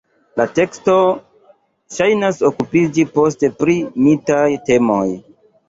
La teksto ŝajnas okupiĝi poste pri mitaj temoj.